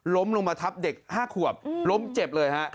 ล้มลงมาทับเด็ก๕ขวบล้มเจ็บเลยฮะ